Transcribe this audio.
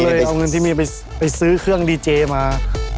ก็เลยเอาเงินที่มีไปซื้อเครื่องดีเจมา